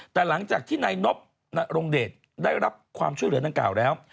แต่หลังจากที่นายนบนรงเดชได้รับความช่วยเหลือดังกล่าวแล้ว